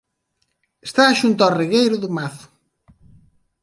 Está xunto ó Regueiro do Mazo.